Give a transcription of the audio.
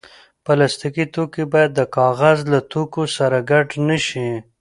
پلاستيکي توکي باید د کاغذ له توکو سره ګډ نه شي.